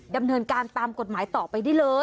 ดำเนินการตามกฎหมายต่อไปได้เลย